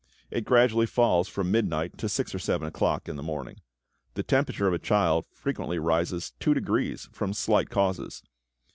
It gradually falls from midnight to six or seven o'clock in the morning. The temperature of a child frequently rises two degrees from slight causes.